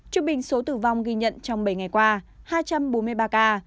trung bình số tử vong ghi nhận trong bảy ngày qua hai trăm bốn mươi ba ca